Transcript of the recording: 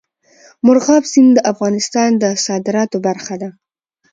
مورغاب سیند د افغانستان د صادراتو برخه ده.